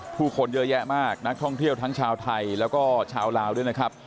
ผู้คนเยอะแยะมากนักท่องเที่ยวทั้งชาวไทยแล้วก็ชาวลาวด้วยนะครับ